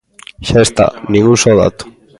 Xa está, nin un só dato.